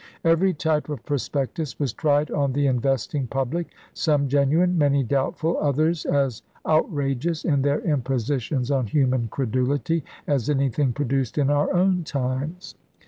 Every type of prospectus was tried on the investing public, some genuine, many doubtful, others as outrageous in their impositions on human credulity as anything produced in our own times.